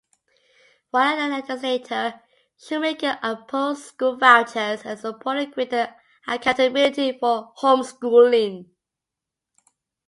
While a legislator, Shoemaker opposed school vouchers and supported greater accountability for homeschooling.